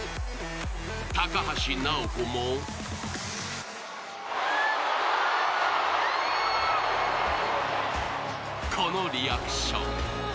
高橋尚子もこのリアクション。